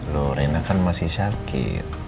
loh rena kan masih sakit